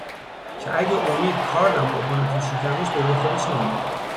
که اگه امید کاردم بکنه تو شکمش به روی خودش نمیاره